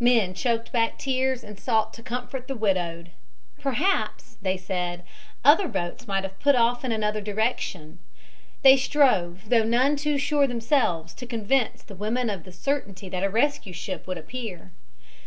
Men choked back tears and sought to comfort the widowed. Perhaps, they said, other boats might have put off in another direction. They strove, though none too sure themselves, to convince the women of the certainty that a rescue ship would appear.